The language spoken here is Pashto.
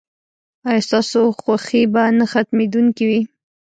ایا ستاسو خوښي به نه ختمیدونکې وي؟